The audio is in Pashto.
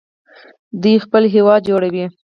دوی خپل هیواد جوړوي.